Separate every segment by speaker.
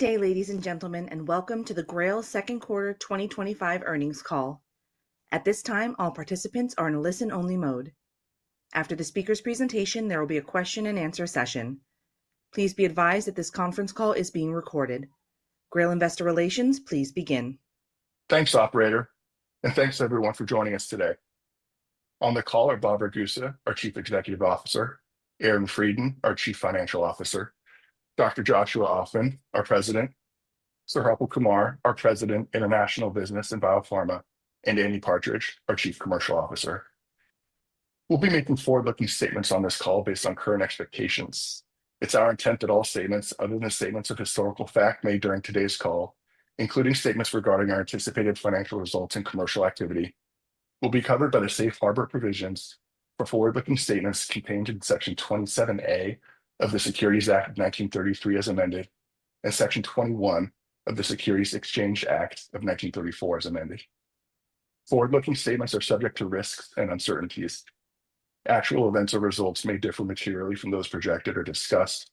Speaker 1: To``day, ladies and gentlemen, and welcome to the Grail second quarter 2025 earnings call. At this time, all participants are in a listen-only mode. After the speaker's presentation, there will be a question-and-answer session. Please be advised that this conference call is being recorded. Grail Investor Relations, please begin.
Speaker 2: Thanks, Operator, and thanks everyone for joining us today. On the call are Bob Ragusa, our Chief Executive Officer, Aaron Freidin, our Chief Financial Officer, Dr. Joshua Ofman, our President, Sir Harpal Kumar, our President, International Business and Biopharma, and Andy Partridge, our Chief Commercial Officer. We'll be making forward-looking statements on this call based on current expectations. It's our intent that all statements, other than statements of historical fact made during today's call, including statements regarding our anticipated financial results and commercial activity, will be covered by the safe harbor provisions for forward-looking statements contained in Section 27(a) of the Securities Act of 1933 as amended, and Section 21 of the Securities Exchange Act of 1934 as amended. Forward-looking statements are subject to risks and uncertainties. Actual events or results may differ materially from those projected or discussed.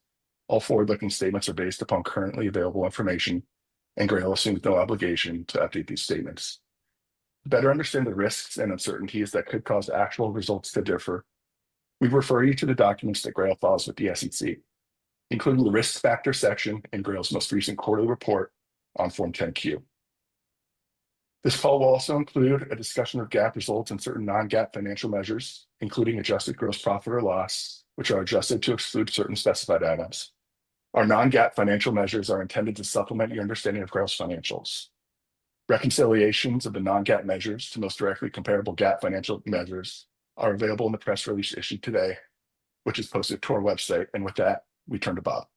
Speaker 2: All forward-looking statements are based upon currently available information, and Grail assumes no obligation to update these statements. To better understand the risks and uncertainties that could cause actual results to differ, we refer you to the documents that Grail files with the SEC, including the Risk Factors section in Grail's most recent quarterly report on Form 10-Q. This call will also include a discussion of GAAP results and certain non-GAAP financial measures, including adjusted gross profit or loss, which are adjusted to exclude certain specified items. Our non-GAAP financial measures are intended to supplement your understanding of Grail's financials. Reconciliations of the non-GAAP measures to the most directly comparable GAAP financial measures are available in the press release issued today, which is posted to our website, and with that, we turn to Bob.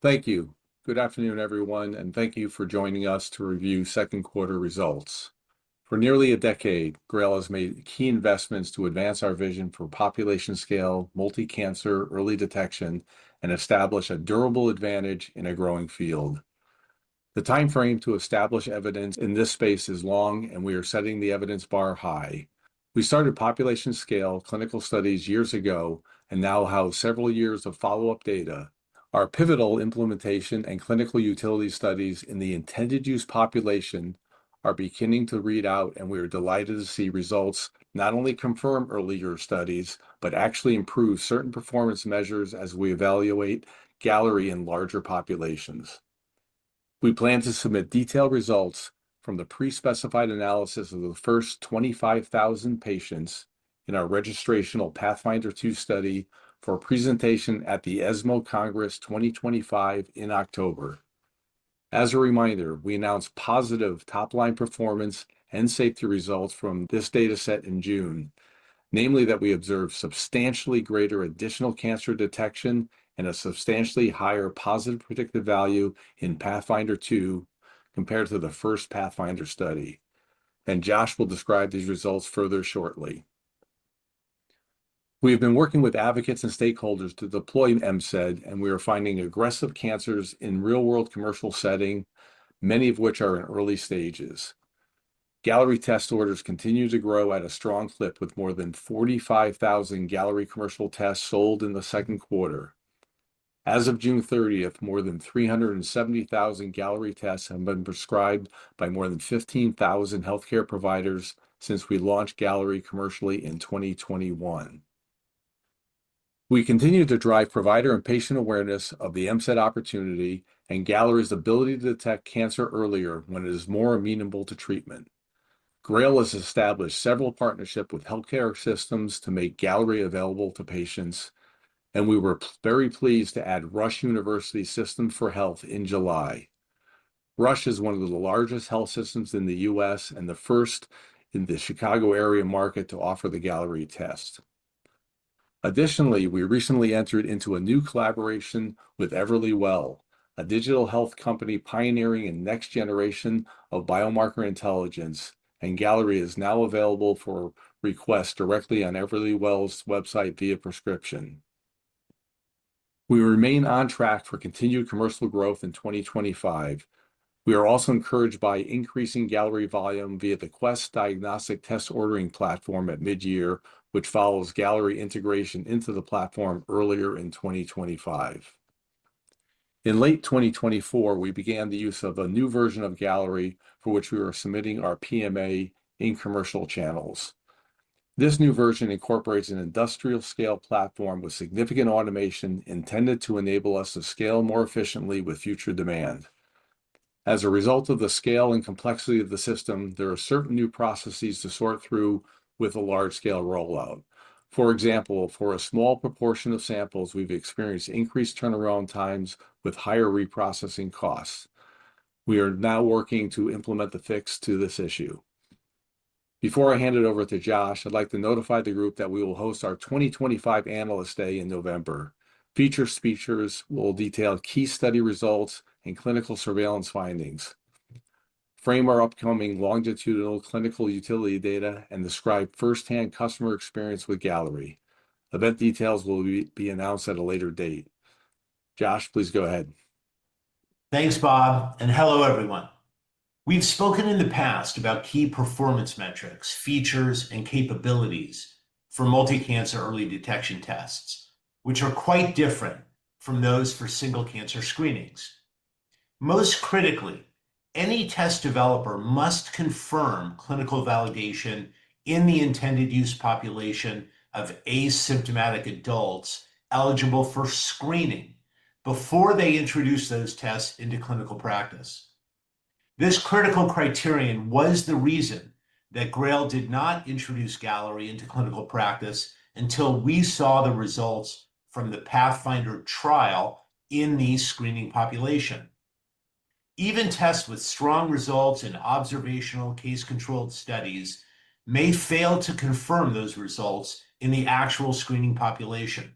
Speaker 3: Thank you. Good afternoon, everyone, and thank you for joining us to review second quarter results. For nearly a decade, Grail has made key investments to advance our vision for population scale, multi-cancer early detection, and establish a durable advantage in a growing field. The timeframe to establish evidence in this space is long, and we are setting the evidence bar high. We started population scale clinical studies years ago and now house several years of follow-up data. Our pivotal implementation and clinical utility studies in the intended-use population are beginning to read out, and we are delighted to see results not only confirm earlier studies but actually improve certain performance measures as we evaluate Galleri in larger populations. We plan to submit detailed results from the pre-specified analysis of the first 25,000 patients in our registrational Pathfinder 2 study for a presentation at the ESMO Congress 2025 in October. As a reminder, we announced positive top-line performance and safety results from this data set in June, namely that we observed substantially greater additional cancer detection and a substantially higher positive predictive value in Pathfinder 2 compared to the first Pathfinder study. Dr. Joshua Ofman will describe these results further shortly. We have been working with advocates and stakeholders to deploy MCED, and we are finding aggressive cancers in real-world commercial settings, many of which are in early stages. Galleri test orders continue to grow at a strong clip, with more than 45,000 Galleri commercial tests sold in the second quarter. As of June 30, more than 370,000 Galleri tests have been prescribed by more than 15,000 healthcare providers since we launched Galleri commercially in 2021. We continue to drive provider and patient awareness of the MCED opportunity and Galleri's ability to detect cancer earlier when it is more amenable to treatment. Grail has established several partnerships with healthcare systems to make Galleri available to patients, and we were very pleased to add Rush University System for Health in July. Rush is one of the largest health systems in the U.S. and the first in the Chicago area market to offer the Galleri test. Additionally, we recently entered into a new collaboration with EverlyWell, a digital health company pioneering in next-generation biomarker intelligence, and Galleri is now available for requests directly on EverlyWell's website via prescription. We remain on track for continued commercial growth in 2025. We are also encouraged by increasing Galleri volume via the Quest Diagnostics Test Ordering Platform at mid-year, which follows Galleri integration into the platform earlier in 2025. In late 2024, we began the use of a new version of Galleri, for which we are submitting our PMA in commercial channels. This new version incorporates an industrial-scale platform with significant automation intended to enable us to scale more efficiently with future demand. As a result of the scale and complexity of the system, there are certain new processes to sort through with a large-scale rollout. For example, for a small proportion of samples, we've experienced increased turnaround times with higher reprocessing costs. We are now working to implement the fix to this issue. Before I hand it over to Josh, I'd like to notify the group that we will host our 2025 Analyst Day in November. Featured speakers will detail key study results and clinical surveillance findings, frame our upcoming longitudinal clinical utility data, and describe firsthand customer experience with Galleri.Event details will be announced at a later date. Josh, please go ahead.
Speaker 4: Thanks, Bob, and hello everyone. We've spoken in the past about key performance metrics, features, and capabilities for multi-cancer early detection tests, which are quite different from those for single-cancer screenings. Most critically, any test developer must confirm clinical validation in the intended-use population of asymptomatic adults eligible for screening before they introduce those tests into clinical practice. This critical criterion was the reason that Grail did not introduce Galleri into clinical practice until we saw the results from the Pathfinder trial in the screening population. Even tests with strong results in observational case-controlled studies may fail to confirm those results in the actual screening population.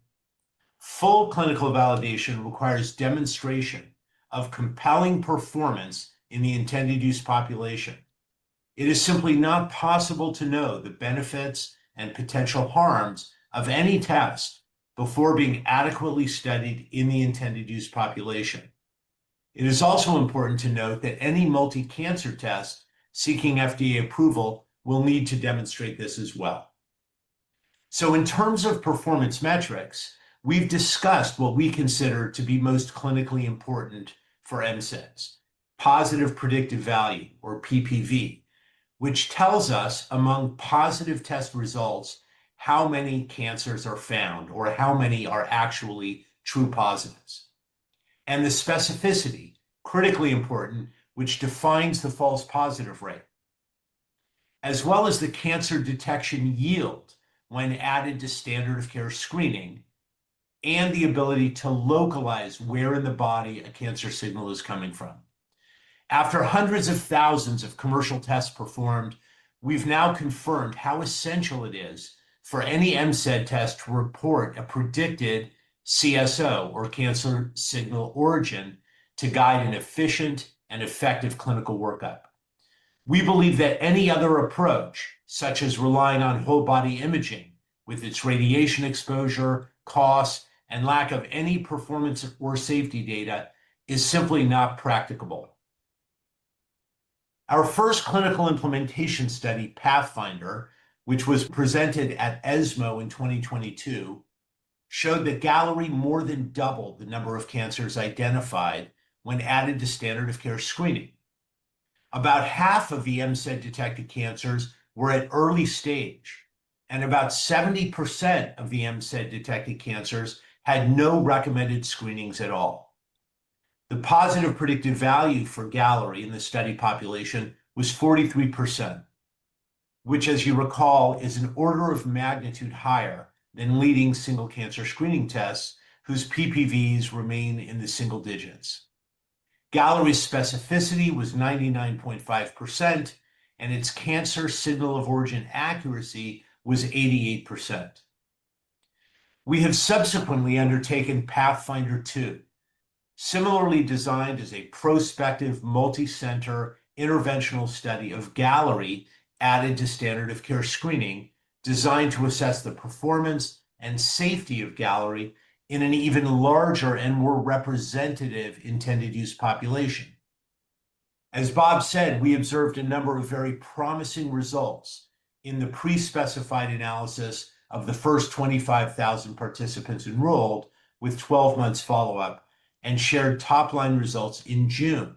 Speaker 4: Full clinical validation requires demonstration of compelling performance in the intended-use population. It is simply not possible to know the benefits and potential harms of any test before being adequately studied in the intended-use population. It is also important to note that any multi-cancer test seeking FDA approval will need to demonstrate this as well. In terms of performance metrics, we've discussed what we consider to be most clinically important for MCEDs: positive predictive value, or PPV, which tells us among positive test results how many cancers are found or how many are actually true positives, and the specificity, critically important, which defines the false positive rate, as well as the cancer detection yield when added to standard of care screening and the ability to localize where in the body a cancer signal is coming from. After hundreds of thousands of commercial tests performed, we've now confirmed how essential it is for any MCED test to report a predicted CSO or cancer signal origin to guide an efficient and effective clinical workup. We believe that any other approach, such as relying on whole-body imaging with its radiation exposure, cost, and lack of any performance or safety data, is simply not practicable. Our first clinical implementation study, Pathfinder, which was presented at ESMO in 2022, showed that Galleri more than doubled the number of cancers identified when added to standard of care screening. About half of the MCED-detected cancers were at early stage, and about 70% of the MCED-detected cancers had no recommended screenings at all. The positive predictive value for Galleri in the study population was 43%, which, as you recall, is an order of magnitude higher than leading single-cancer screening tests whose PPVs remain in the single digits. Galleri specificity was 99.5%, and its cancer signal origin accuracy was 88%. We have subsequently undertaken Pathfinder 2, similarly designed as a prospective multi-center interventional study of Galleri added to standard of care screening, designed to assess the performance and safety of Galleri in an even larger and more representative intended-use population. As Bob said, we observed a number of very promising results in the pre-specified analysis of the first 25,000 participants enrolled with 12 months follow-up and shared top-line results in June.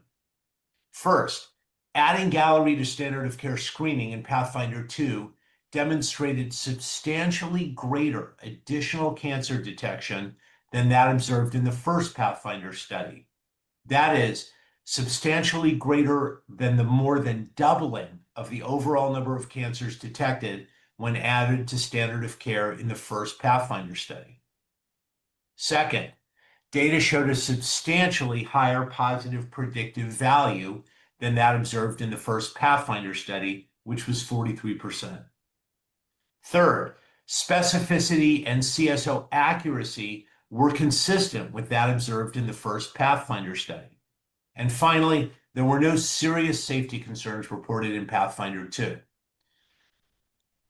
Speaker 4: First, adding Galleri to standard of care screening in Pathfinder 2 demonstrated substantially greater additional cancer detection than that observed in the first Pathfinder study. That is substantially greater than the more than doubling of the overall number of cancers detected when added to standard of care in the first Pathfinder study. Second, data showed a substantially higher positive predictive value than that observed in the first Pathfinder study, which was 43%. Third, specificity and CSO accuracy were consistent with that observed in the first Pathfinder study. Finally, there were no serious safety concerns reported in Pathfinder 2.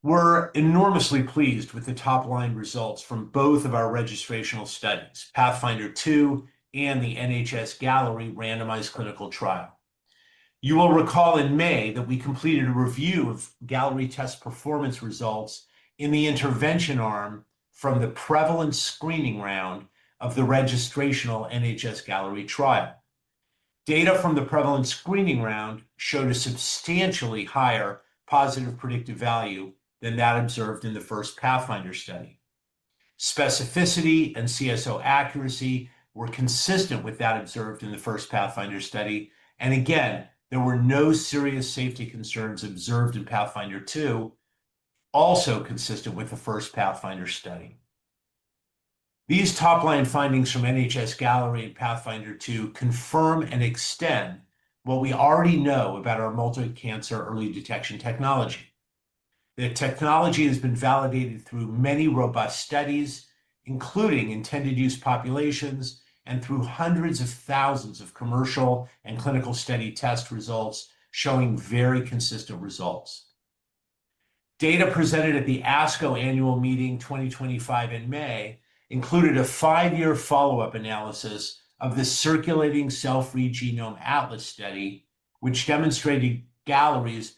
Speaker 4: We're enormously pleased with the top-line results from both of our registrational studies, Pathfinder 2 and the NHS Galleri randomized clinical trial. You will recall in May that we completed a review of Galleri test performance results in the intervention arm from the prevalence screening round of the registrational NHS Galleri trial. Data from the prevalence screening round showed a substantially higher positive predictive value than that observed in the first Pathfinder study. Specificity and CSO accuracy were consistent with that observed in the first Pathfinder study, and again, there were no serious safety concerns observed in Pathfinder 2, also consistent with the first Pathfinder study. These top-line findings from NHS Galleri and Pathfinder 2 confirm and extend what we already know about our multi-cancer early detection technology. The technology has been validated through many robust studies, including intended-use populations, and through hundreds of thousands of commercial and clinical study test results showing very consistent results. Data presented at the ASCO Annual Meeting 2025 in May included a five-year follow-up analysis of the circulating Self-Read Genome Atlas study, which demonstrated Galleri's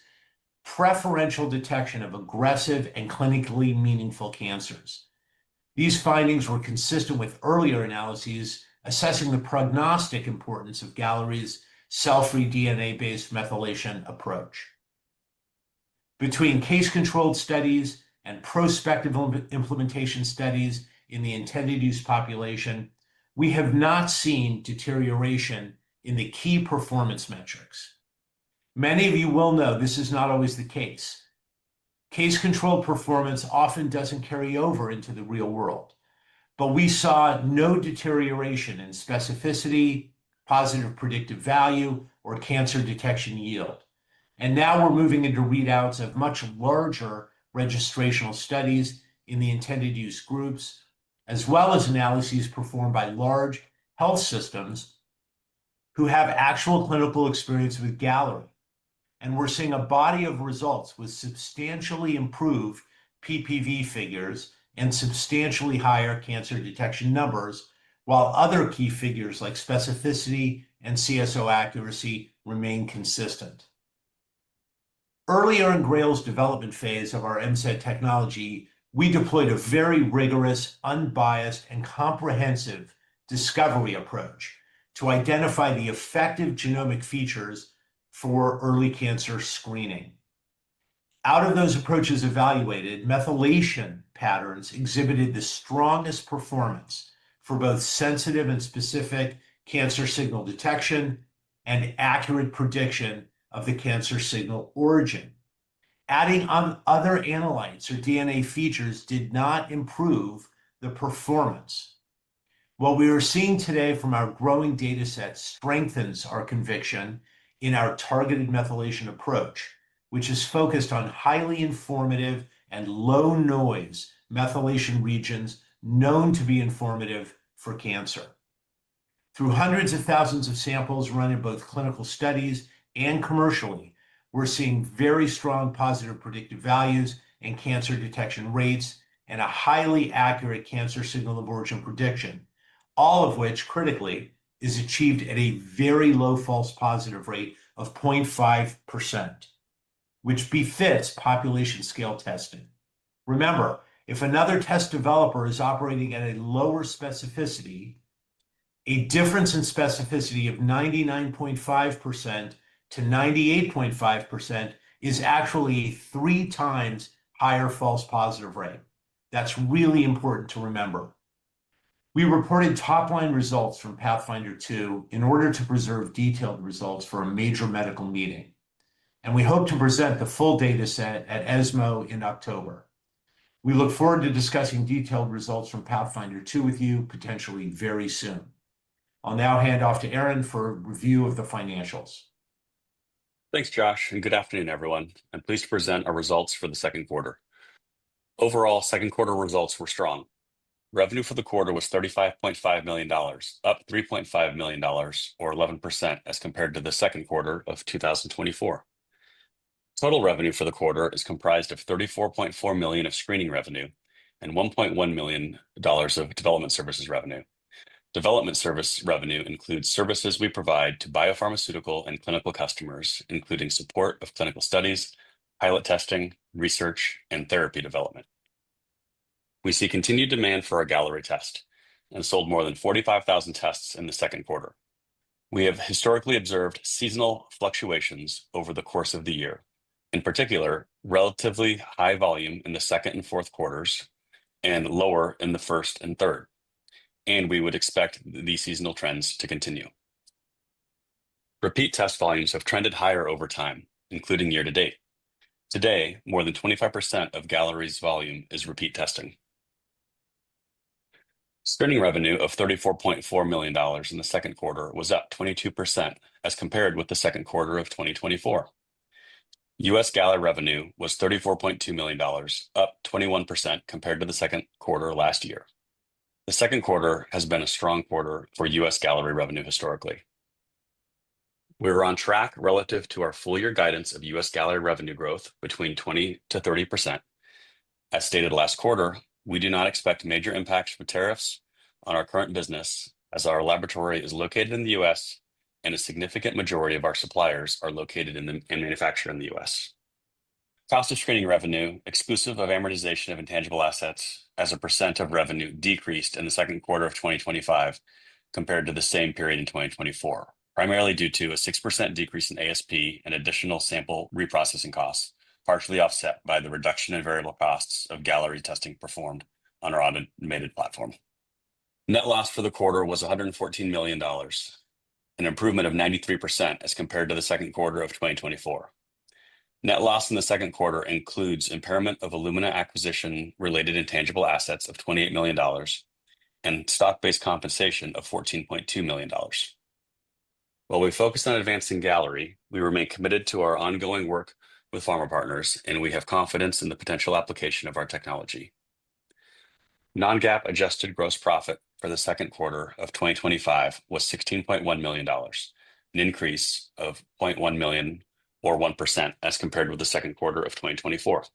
Speaker 4: preferential detection of aggressive and clinically meaningful cancers. These findings were consistent with earlier analyses assessing the prognostic importance of Galleri's cell-free DNA-based methylation approach. Between case-controlled studies and prospective implementation studies in the intended-use population, we have not seen deterioration in the key performance metrics. Many of you well know this is not always the case. Case-controlled performance often doesn't carry over into the real world, yet we saw no deterioration in specificity, positive predictive value, or cancer detection yield. Now we're moving into readouts of much larger registrational studies in the intended-use groups, as well as analyses performed by large health systems who have actual clinical experience with Galleri. We're seeing a body of results with substantially improved PPV figures and substantially higher cancer detection numbers, while other key figures like specificity and cancer signal origin (CSO) accuracy remain consistent. Earlier in Grail's development phase of our MCED technology, we deployed a very rigorous, unbiased, and comprehensive discovery approach to identify the effective genomic features for early cancer screening. Out of those approaches evaluated, methylation patterns exhibited the strongest performance for both sensitive and specific cancer signal detection and accurate prediction of the cancer signal origin. Adding on other analytes or DNA features did not improve the performance. What we are seeing today from our growing data sets strengthens our conviction in our targeted methylation approach, which is focused on highly informative and low-noise methylation regions known to be informative for cancer. Through hundreds of thousands of samples run in both clinical studies and commercially, we're seeing very strong positive predictive values in cancer detection rates and a highly accurate cancer signal origin prediction, all of which, critically, is achieved at a very low false positive rate of 0.5%, which befits population scale testing. Remember, if another test developer is operating at a lower specificity, a difference in specificity of 99.5%-98.5% is actually a three times higher false positive rate. That's really important to remember. We reported top-line results from Pathfinder 2 in order to preserve detailed results for a major medical meeting, and we hope to present the full data set at ESMO in October. We look forward to discussing detailed results from Pathfinder 2 with you potentially very soon. I'll now hand off to Aaron Freidin for a review of the financials.
Speaker 5: Thanks, Josh, and good afternoon, everyone. I'm pleased to present our results for the second quarter. Overall, second quarter results were strong. Revenue for the quarter was $35.5 million, up $3.5 million, or 11% as compared to the second quarter of 2024. Total revenue for the quarter is comprised of $34.4 million of screening revenue and $1.1 million of development services revenue. Development services revenue includes services we provide to biopharmaceutical and clinical customers, including support of clinical studies, pilot testing, research, and therapy development. We see continued demand for our Galleri test and sold more than 45,000 tests in the second quarter. We have historically observed seasonal fluctuations over the course of the year, in particular relatively high volume in the second and fourth quarters and lower in the first and third, and we would expect these seasonal trends to continue. Repeat test volumes have trended higher over time, including year to date. Today, more than 25% of Galleri's volume is repeat testing. Screening revenue of $34.4 million in the second quarter was up 22% as compared with the second quarter of 2024. U.S. Galleri revenue was $34.2 million, up 21% compared to the second quarter last year. The second quarter has been a strong quarter for U.S. Galleri revenue historically. We were on track relative to our full-year guidance of U.S. Galleri revenue growth between 20%-30%. As stated last quarter, we do not expect major impacts from tariffs on our current business, as our laboratory is located in the U.S. and a significant majority of our suppliers are located and manufactured in the U.S. Fastest screening revenue, exclusive of amortization of intangible assets, as a percent of revenue decreased in the second quarter of 2025 compared to the same period in 2024, primarily due to a 6% decrease in ASP and additional sample reprocessing costs, largely offset by the reduction in variable costs of Galleri testing performed on our automated platform. Net loss for the quarter was $114 million, an improvement of 93% as compared to the second quarter of 2024. Net loss in the second quarter includes impairment of Illumina acquisition-related intangible assets of $28 million and stock-based compensation of $14.2 million. While we focus on advancing Galleri, we remain committed to our ongoing work with pharma partners, and we have confidence in the potential application of our technology. Non-GAAP adjusted gross profit for the second quarter of 2025 was $16.1 million, an increase of $0.1 million, or 1% as compared with the second quarter of 2024.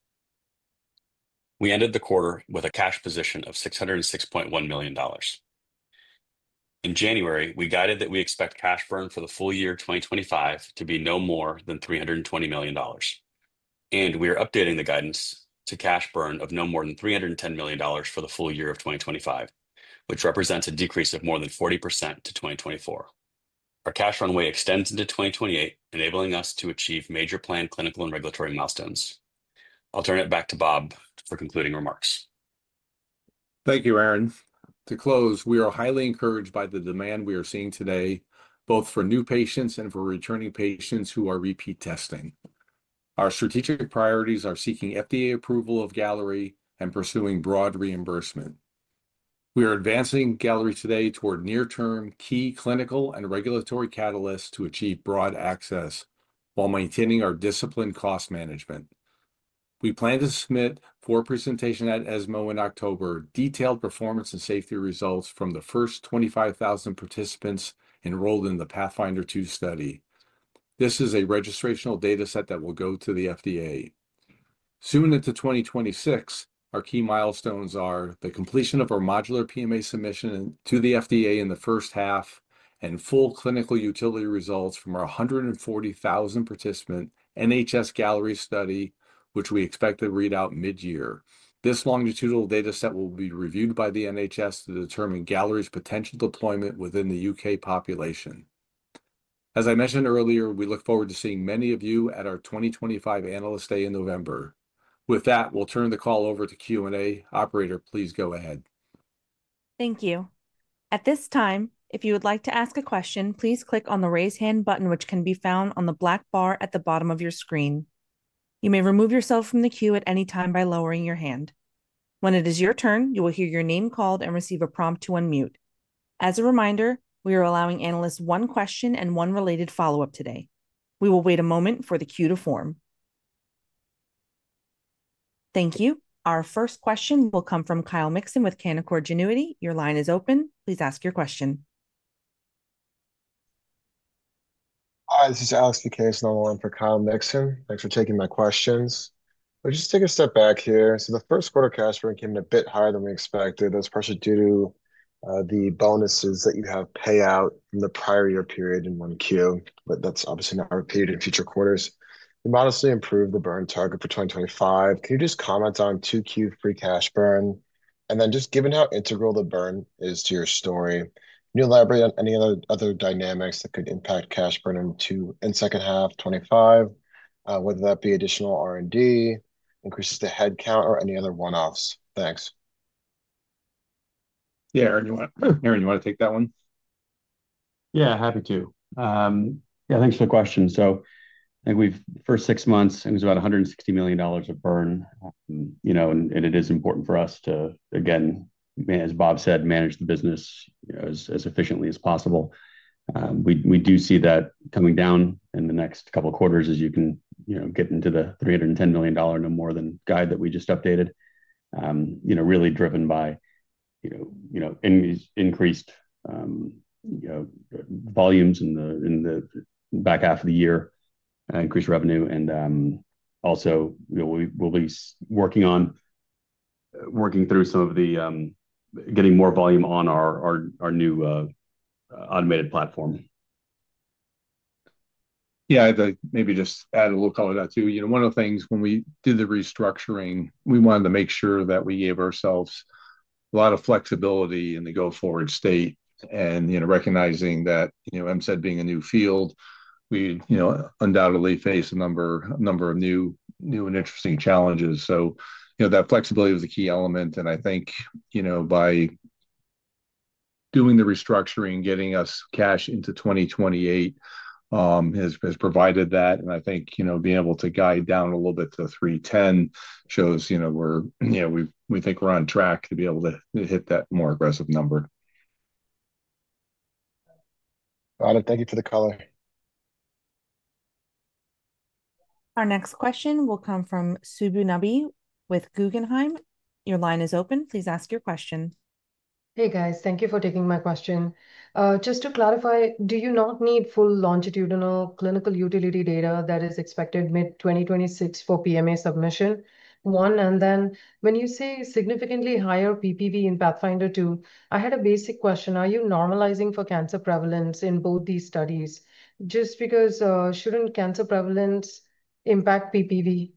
Speaker 5: We ended the quarter with a cash position of $606.1 million. In January, we guided that we expect cash burn for the full year 2025 to be no more than $320 million, and we are updating the guidance to cash burn of no more than $310 million for the full year of 2025, which represents a decrease of more than 40% to 2024. Our cash runway extends into 2028, enabling us to achieve major planned clinical and regulatory milestones. I'll turn it back to Bob for concluding remarks.
Speaker 3: Thank you, Aaron. To close, we are highly encouraged by the demand we are seeing today, both for new patients and for returning patients who are repeat testing. Our strategic priorities are seeking FDA approval of Galleri and pursuing broad reimbursement. We are advancing Galleri today toward near-term key clinical and regulatory catalysts to achieve broad access while maintaining our disciplined cost management. We plan to submit for presentation at ESMO in October detailed performance and safety results from the first 25,000 participants enrolled in the pivotal Pathfinder 2 study. This is a registrational data set that will go to the FDA. Soon into 2026, our key milestones are the completion of our modular PMA submission to the FDA in the first half and full clinical utility results from our 140,000 participant NHS Galleri study, which we expect to read out mid-year. This longitudinal data set will be reviewed by the NHS to determine Galleri's potential deployment within the UK population. As I mentioned earlier, we look forward to seeing many of you at our 2025 Analyst Day in November. With that, we'll turn the call over to Q&A. Operator, please go ahead.
Speaker 1: Thank you. At this time, if you would like to ask a question, please click on the raise hand button, which can be found on the black bar at the bottom of your screen. You may remove yourself from the queue at any time by lowering your hand. When it is your turn, you will hear your name called and receive a prompt to unmute. As a reminder, we are allowing analysts one question and one related follow-up today. We will wait a moment for the queue to form. Thank you. Our first question will come from Kyle Mixon with Canaccord Genuity. Your line is open. Please ask your question.
Speaker 6: Hi, this is Alex Vukasin with another line for Kyle Mixon. Thanks for taking my questions. If we just take a step back here, the first quarter cash burn came in a bit higher than we expected. That's partially due to the bonuses that you have payout in the prior year period in Q1, but that's obviously not repeated in future quarters. We modestly improved the burn target for 2025. Can you just comment on Q2's free cash burn? Given how integral the burn is to your story, can you elaborate on any other dynamics that could impact cash burn in the second half of 2025, whether that be additional R&D, increases to headcount, or any other one-offs? Thanks.
Speaker 3: Yeah, Aaron, you want to take that one?
Speaker 7: Yeah, happy to. Thanks for the question. I think the first six months, I think it was about $160 million of burn, and it is important for us to, again, as Bob said, manage the business as efficiently as possible. We do see that coming down in the next couple of quarters as you can get into the $310 million and more than guide that we just updated, really driven by any increased volumes in the back half of the year, increased revenue, and also we'll be working on working through some of the getting more volume on our new automated platform. Yeah, I think maybe just add a little color to that too. One of the things when we did the restructuring, we wanted to make sure that we gave ourselves a lot of flexibility in the go-forward state and, you know, recognizing that MCED being a new field, we undoubtedly face a number of new and interesting challenges. That flexibility was a key element, and I think by doing the restructuring, getting us cash into 2028 has provided that, and I think being able to guide down a little bit to $310 million shows we think we're on track to be able to hit that more aggressive number.
Speaker 6: Got it. Thank you for the call
Speaker 1: Our next question will come from Subbu Nambi with Guggenheim. Your line is open. Please ask your question.
Speaker 8: Hey, guys. Thank you for taking my question. Just to clarify, do you not need full longitudinal clinical utility data that is expected mid-2026 for PMA submission? One, and then when you say significantly higher PPV in Pathfinder 2, I had a basic question. Are you normalizing for cancer prevalence in both these studies? Just because shouldn't cancer prevalence impact PPV?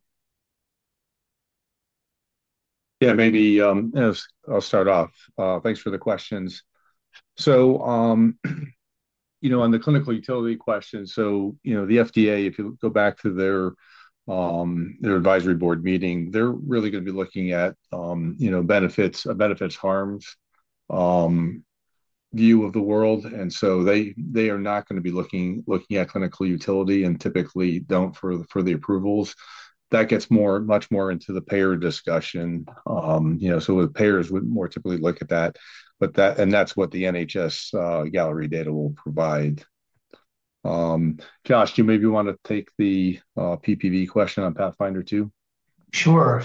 Speaker 7: Yeah, maybe I'll start off. Thanks for the questions. On the clinical utility question, the FDA, if you go back to their advisory board meeting, they're really going to be looking at benefits, benefits-harms view of the world. They are not going to be looking at clinical utility and typically don't for the approvals. That gets much more into the payer discussion. The payers would more typically look at that, and that's what the NHS Galleri data will provide. Josh, do you maybe want to take the PPV question on Pathfinder 2?
Speaker 4: Sure. On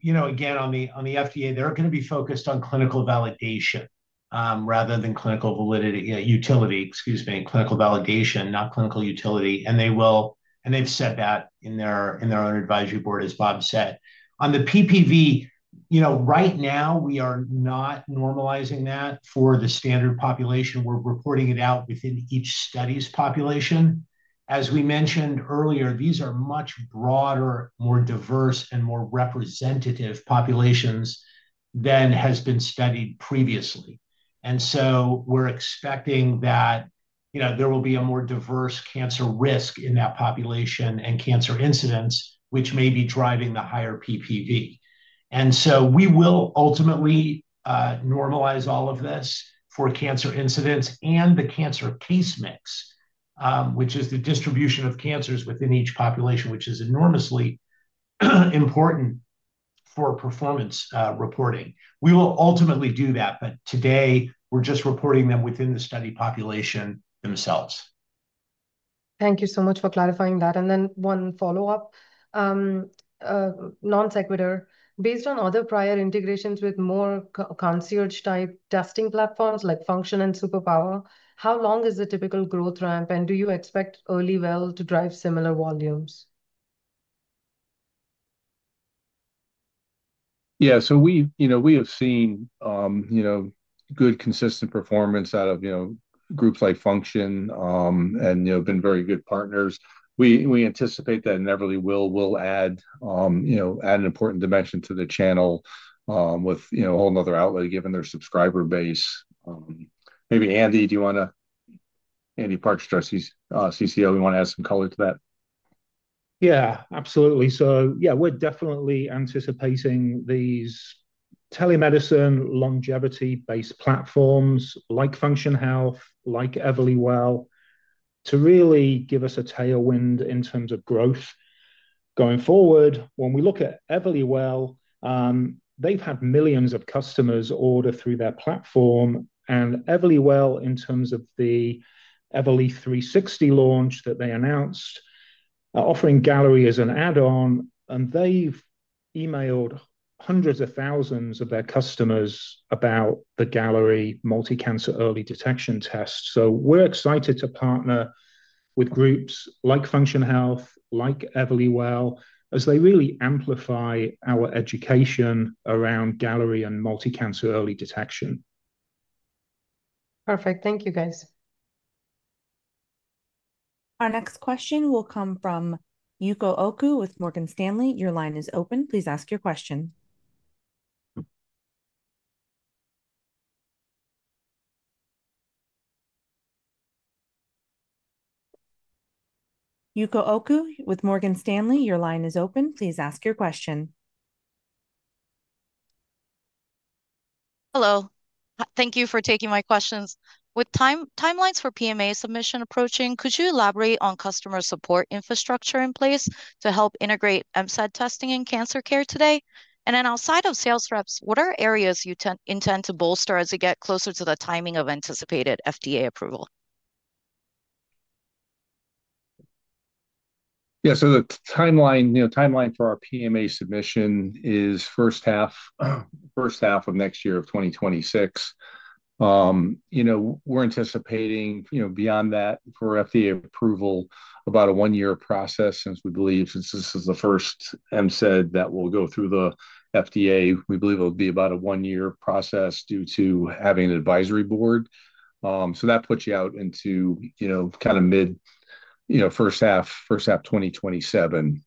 Speaker 4: the FDA, they're going to be focused on clinical validation rather than clinical utility, excuse me, clinical validation, not clinical utility. They will, and they've said that in their advisory board, as Bob said. On the PPV, right now we are not normalizing that for the standard population. We're reporting it out within each study's population. As we mentioned earlier, these are much broader, more diverse, and more representative populations than has been studied previously. We're expecting that there will be a more diverse cancer risk in that population and cancer incidence, which may be driving the higher PPV. We will ultimately normalize all of this for cancer incidence and the cancer case mix, which is the distribution of cancers within each population, which is enormously important for performance reporting. We will ultimately do that, but today we're just reporting them within the study population themselves.
Speaker 8: Thank you so much for clarifying that. One follow-up, non-secular, based on other prior integrations with more concierge-type testing platforms like Function and Superpower, how long is the typical growth ramp, and do you expect EverlyWell to drive similar volumes?
Speaker 7: Yeah, we have seen good consistent performance out of groups like Function and have been very good partners. We anticipate that EverlyWell will add an important dimension to the channel with a whole other outlet given their subscriber base. Maybe Andy, do you want to, Andy Partridge, our Chief Commercial Officer, do you want to add some color to that?
Speaker 9: Absolutely. We're definitely anticipating these telemedicine longevity-based platforms like Function Health, like EverlyWell to really give us a tailwind in terms of growth going forward. When we look at EverlyWell, they've had millions of customers order through their platform, and EverlyWell, in terms of the Everly 360 launch that they announced, are offering Galleri as an add-on, and they've emailed hundreds of thousands of their customers about the Galleri multi-cancer early detection test. We're excited to partner with groups like Function Health, like EverlyWell, as they really amplify our education around Galleri and multi-cancer early detection.
Speaker 8: Perfect. Thank you, guys.
Speaker 1: Our next question will come from Yuko Oku with Morgan Stanley. Your line is open. Please ask your question.
Speaker 10: Hello. Thank you for taking my questions. With timelines for PMA submission approaching, could you elaborate on customer support infrastructure in place to help integrate MCED testing in cancer care today? Outside of sales reps, what are areas you intend to bolster as you get closer to the timing of anticipated FDA approval?
Speaker 7: Yeah, so the timeline for our PMA submission is first half of next year, 2026. We're anticipating, beyond that for FDA approval, about a one-year process since we believe since this is the first MCED that will go through the FDA. We believe it'll be about a one-year process due to having an advisory board. That puts you out into kind of mid, first half 2027.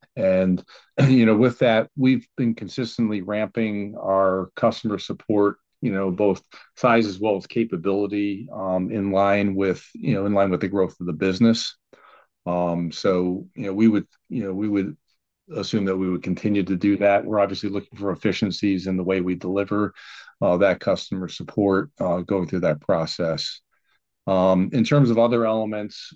Speaker 7: We've been consistently ramping our customer support, both size as well as capability in line with the growth of the business. We would assume that we would continue to do that. We're obviously looking for efficiencies in the way we deliver that customer support going through that process. In terms of other elements,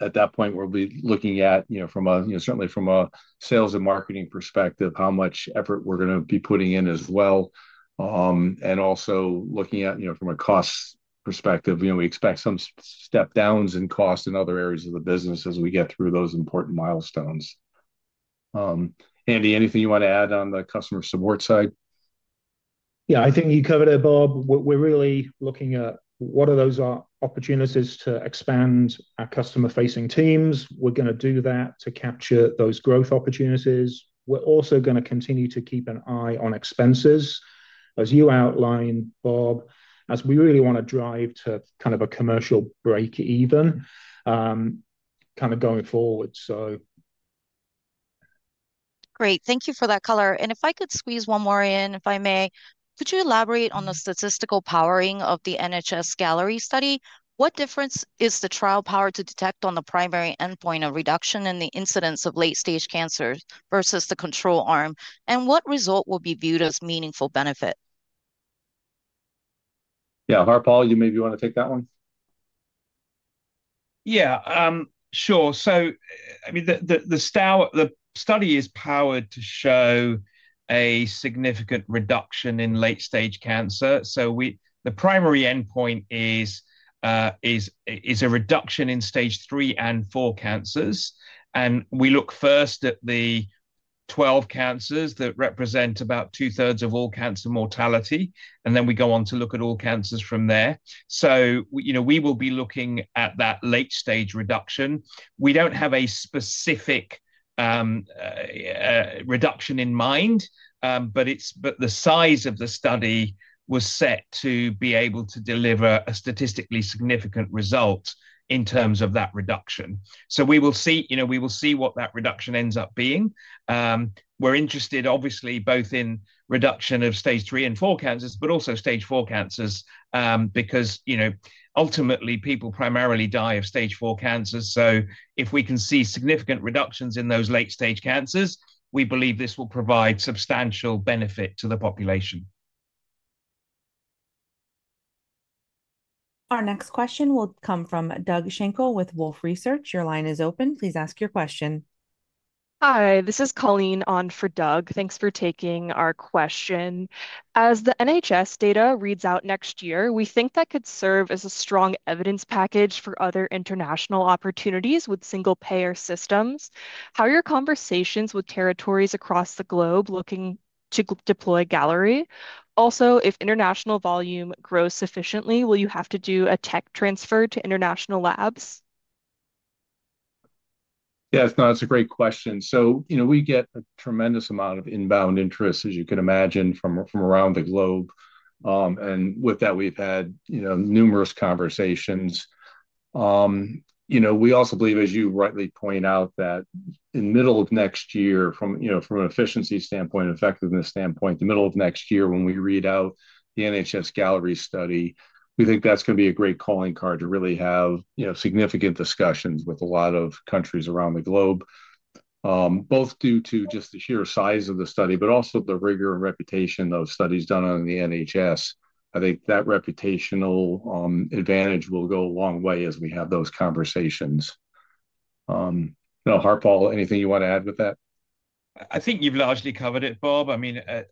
Speaker 7: at that point, we'll be looking at, certainly from a sales and marketing perspective, how much effort we're going to be putting in as well. Also looking at, from a cost perspective, we expect some step-downs in cost in other areas of the business as we get through those important milestones. Andy, anything you want to add on the customer support side?
Speaker 9: Yeah, I think you covered it, Bob. We're really looking at what are those opportunities to expand our customer-facing teams. We're going to do that to capture those growth opportunities. We're also going to continue to keep an eye on expenses, as you outlined, Bob, as we really want to drive to kind of a commercial break-even going forward.
Speaker 10: Great. Thank you for that color. If I could squeeze one more in, if I may, could you elaborate on the statistical powering of the NHS Galleri study? What difference is the trial powered to detect on the primary endpoint, a reduction in the incidence of late-stage cancer versus the control arm, and what result will be viewed as meaningful benefit?
Speaker 7: Yeah, Harpal, you maybe want to take that one.
Speaker 11: Yeah, sure. The study is powered to show a significant reduction in late-stage cancer. The primary endpoint is a reduction in stage three and four cancers. We look first at the 12 cancers that represent about two-thirds of all cancer mortality, and then we go on to look at all cancers from there. We will be looking at that late-stage reduction. We don't have a specific reduction in mind, but the size of the study was set to be able to deliver a statistically significant result in terms of that reduction. We will see what that reduction ends up being. We're interested, obviously, both in reduction of stage three and four cancers, but also stage four cancers because, ultimately, people primarily die of stage four cancers. If we can see significant reductions in those late-stage cancers, we believe this will provide substantial benefit to the population.
Speaker 1: Our next question will come from Doug Shinko with Wolfe Research. Your line is open. Please ask your question.
Speaker 12: Hi, this is Colleen on for Doug. Thanks for taking our question. As the NHS data reads out next year, we think that could serve as a strong evidence package for other international opportunities with single-payer systems. How are your conversations with territories across the globe looking to deploy Galleri? Also, if international volume grows sufficiently, will you have to do a tech transfer to international labs?
Speaker 7: Yes, no, that's a great question. We get a tremendous amount of inbound interest, as you can imagine, from around the globe. With that, we've had numerous conversations. We also believe, as you rightly point out, that in the middle of next year, from an efficiency standpoint and effectiveness standpoint, the middle of next year, when we read out the NHS Galleri study, we think that's going to be a great calling card to really have significant discussions with a lot of countries around the globe, both due to just the sheer size of the study, but also the rigor and reputation of studies done on the NHS. I think that reputational advantage will go a long way as we have those conversations. Harpal, anything you want to add with that?
Speaker 11: I think you've largely covered it, Bob.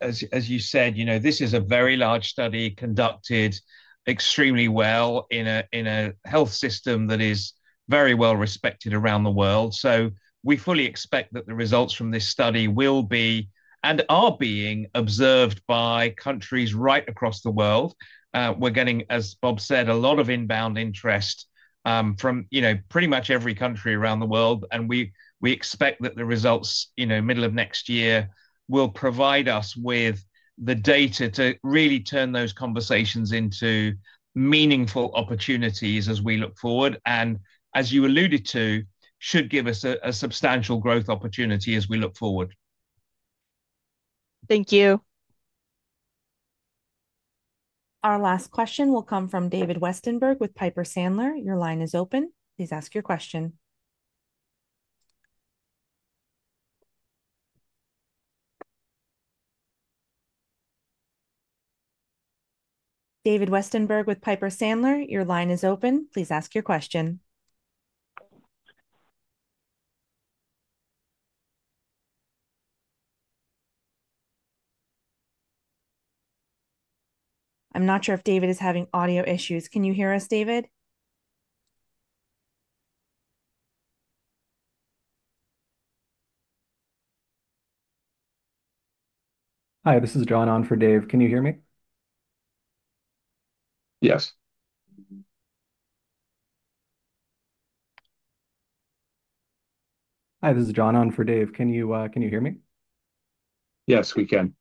Speaker 11: As you said, this is a very large study conducted extremely well in a health system that is very well respected around the world. We fully expect that the results from this study will be and are being observed by countries right across the world. We're getting, as Bob said, a lot of inbound interest from pretty much every country around the world. We expect that the results, middle of next year, will provide us with the data to really turn those conversations into meaningful opportunities as we look forward. As you alluded to, it should give us a substantial growth opportunity as we look forward.
Speaker 12: Thank you.
Speaker 1: Our last question will come from David Westenberg with Piper Sandler. Your line is open. Please ask your question. David Westenberg with Piper Sandler. Your line is open. Please ask your question. I'm not sure if David is having audio issues. Can you hear us, David?
Speaker 13: Hi, this is John on for Dave. Can you hear me?
Speaker 5: Yes.
Speaker 13: Hi, this is John on for Dave. Can you hear me?
Speaker 7: Yes, we can.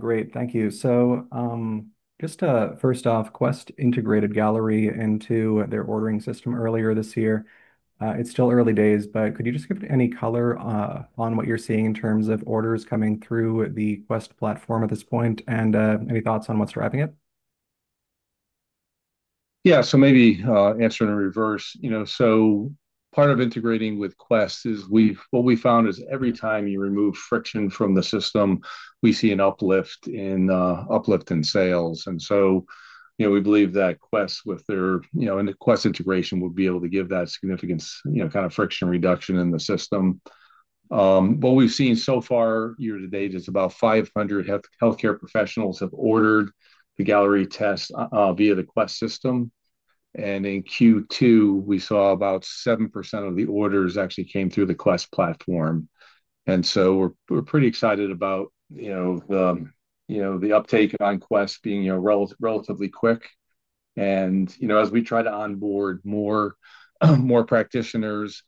Speaker 13: Great. Thank you. First off, Quest integrated Galleri into their ordering system earlier this year. It's still early days, but could you give any color on what you're seeing in terms of orders coming through the Quest platform at this point? Any thoughts on what's driving it?
Speaker 7: Maybe answer in reverse. Part of integrating with Quest is we've found every time you remove friction from the system, we see an uplift in sales. We believe that Quest and the Quest integration would be able to give that significant friction reduction in the system. What we've seen so far year to date is about 500 healthcare professionals have ordered the Galleri test via the Quest system. In Q2, we saw about 7% of the orders actually came through the Quest platform. We're pretty excited about the uptake on Quest being relatively quick. As we try to onboard more practitioners,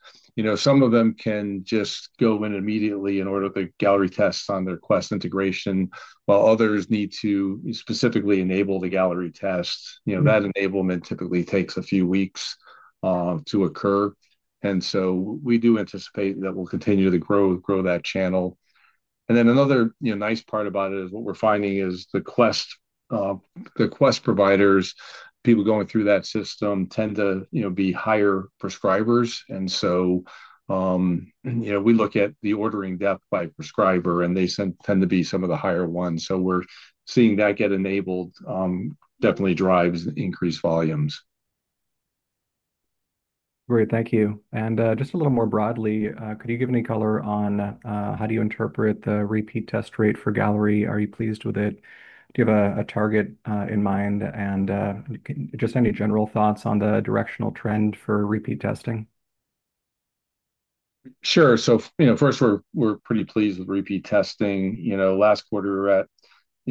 Speaker 7: some of them can just go in immediately and order the Galleri tests on their Quest integration, while others need to specifically enable the Galleri tests. That enablement typically takes a few weeks to occur. We do anticipate that we'll continue to grow that channel. Another nice part about it is what we're finding is the Quest providers, people going through that system, tend to be higher prescribers. We look at the ordering depth by prescriber, and they tend to be some of the higher ones. We're seeing that get enabled definitely drives increased volumes.
Speaker 13: Great. Thank you. Just a little more broadly, could you give me color on how you interpret the repeat test rate for Galleri? Are you pleased with it? Do you have a target in mind? Any general thoughts on the directional trend for repeat testing? Sure. First, we're pretty pleased with repeat testing. Last quarter we were at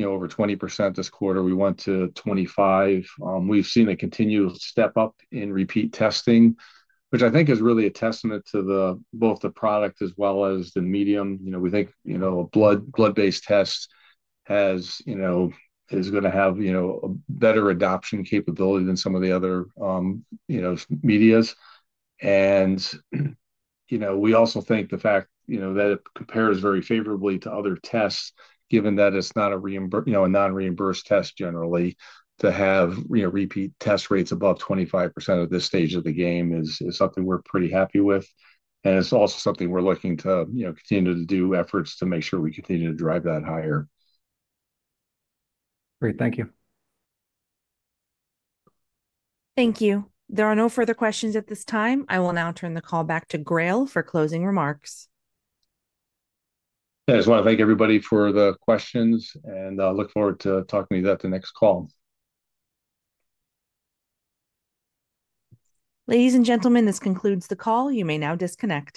Speaker 13: over 20%. This quarter we went to 25%. We've seen a continued step up in repeat testing, which I think is really a testament to both the product as well as the medium. We think a blood-based test is going to have a better adoption capability than some of the other medias. We also think the fact that it compares very favorably to other tests, given that it's not a non-reimbursed test generally, to have repeat test rates above 25% at this stage of the game is something we're pretty happy with. It's also something we're looking to continue to do efforts to make sure we continue to drive that higher. Great. Thank you.
Speaker 1: Thank you. There are no further questions at this time. I will now turn the call back to Grail for closing remarks.
Speaker 7: I just want to thank everybody for the questions, and I look forward to talking to you at the next call.
Speaker 1: Ladies and gentlemen, this concludes the call. You may now disconnect.